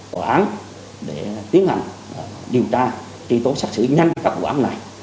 bảo án để tiến hành điều tra tri tố xác xử nhanh các bảo án này